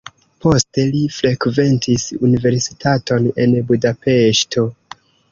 Poste li frekventis universitaton en Budapeŝto.